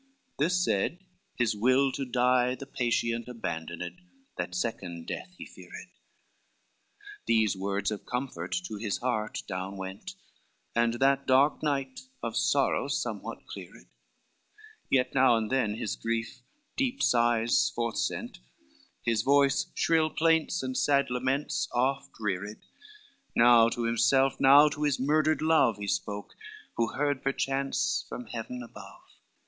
LXXXIX This said, his will to die the patient Abandoned, that second death he feared, These words of comfort to his heart down went, And that dark night of sorrow somewhat cleared; Yet now and then his grief deep sighs forth sent, His voice shrill plaints and sad laments oft reared, Now to himself, now to his murdered love, He spoke, who heard perchance from heaven above.